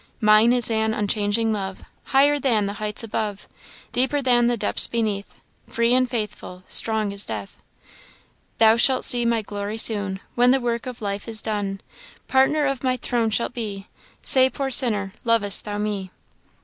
" 'Mine is an unchanging love; Higher than the heights above, Deeper than the depths beneath, Free and faithful, strong as death. " 'Thou shalt see my glory soon, When the work of life is done, Partner of my throne shalt be Say, poor sinner, lovest thou me?